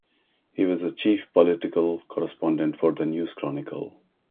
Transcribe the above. He was the chief political correspondent for the "News Chronicle".